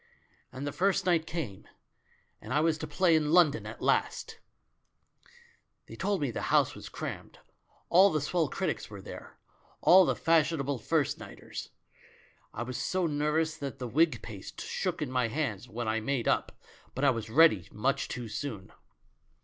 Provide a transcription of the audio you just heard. And the first night came, and I was to play in London at last ! "They told me the house was crammed. All the swell critics were there, all the fashionable first nighters. I was so nervous that the wig paste shook in my hands when I made up, but I was ready much too soon.